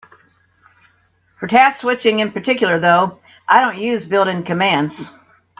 For task switching in particular, though, I don't use the built-in commands.